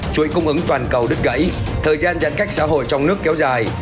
chuỗi cung ứng toàn cầu đứt gãy thời gian giãn cách xã hội trong nước kéo dài